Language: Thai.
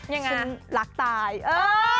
ยังไงคุณรักตายเออ